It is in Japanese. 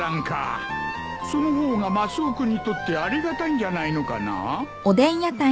その方がマスオ君にとってありがたいんじゃないのかな。